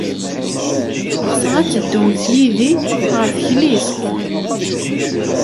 Ɣseɣ ad teddumt yid-i ɣer teklizt.